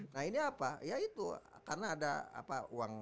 nah ini apa ya itu karena ada